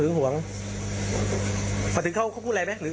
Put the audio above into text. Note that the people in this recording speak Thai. เราเลิกกับเค้ามานานยังไง